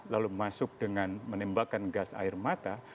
lalu masuk dengan menembakkan gas air mata